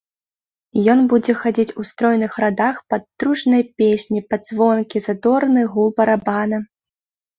Ён будзе хадзіць у стройных радах пад дружныя песні, пад звонкі, задорны гул барабана.